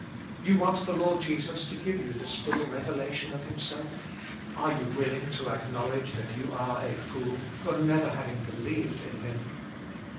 " You want the Lord Jesus to give you this full revela tion of Himself ? Are you willing to acknowledge that you are a fool for never having believed in Him?